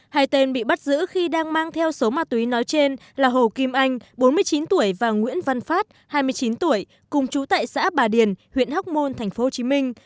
hai tên bị bắt giữ khi đang mang theo số ma túy nói trên là hồ kim anh bốn mươi chín tuổi và nguyễn văn phát hai mươi chín tuổi cùng chú tại xã bà điền huyện hóc môn thành phố hồ chí minh